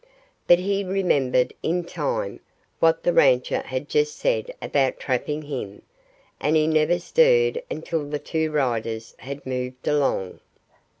But he remembered, in time, what the rancher had just said about trapping him. And he never stirred until the two riders had moved along.